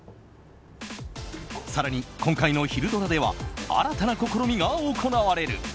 更に今回のひるドラ！では新しい試みが実施される。